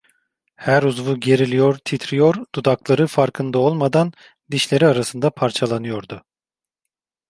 Her uzvu geriliyor, titriyor, dudakları, farkında olmadan, dişleri arasında parçalanıyordu.